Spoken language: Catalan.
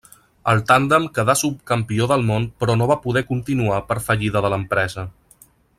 El tàndem quedà subcampió del món però no va poder continuar per fallida de l'empresa.